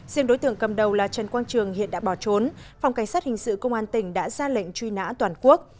riêng đối tượng cầm đầu là trần quang trường hiện đã bỏ trốn phòng cảnh sát hình sự công an tỉnh đã ra lệnh truy nã toàn quốc